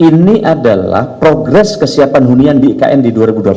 ini adalah progres kesiapan hunian di ikn di dua ribu dua puluh satu